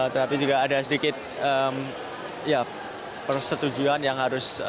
tapi juga ada sedikit ya persetujuan yang harus